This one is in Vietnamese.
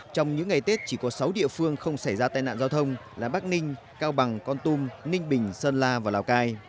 trong những ngày tết chỉ có sáu địa phương không xảy ra tai nạn giao thông là bắc ninh cao bằng con tum ninh bình sơn la và lào cai